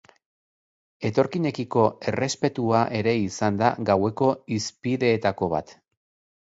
Etorkinekiko errespetua ere izan da gaueko hizpideetako bat.